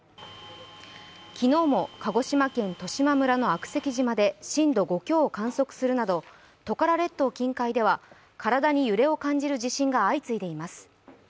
昨日も鹿児島県十島村の悪石島で震度５強を観測するなどトカラ列島近海では体に揺れを感じる地震が相次いでいます。